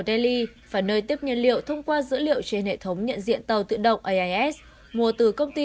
delhi và nơi tiếp nhiên liệu thông qua dữ liệu trên hệ thống nhận diện tàu tự động ais mua từ công ty